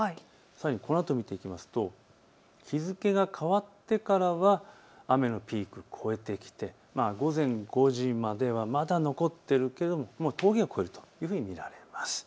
このあとを見ていきますと日付が変わってからは雨のピーク越えてきて午前５時まではまだ残っているけども峠は越えるというふうに見られます。